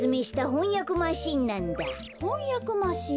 ほんやくマシーン？